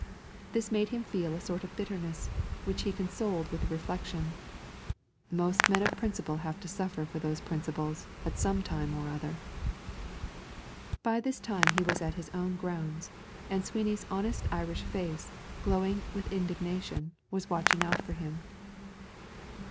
This made him feel a sort of bitterness, which he consoled with the reflection "Most men of principle have to suffer for those principles at some time or other." By this time he was at his own grounds, and Sweeney's honest Irish face, glowing with indignation, was watching out for him.